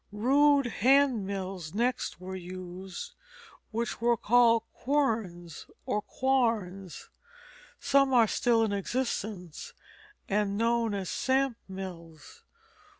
Rude hand mills next were used, which were called quernes, or quarnes. Some are still in existence and known as samp mills.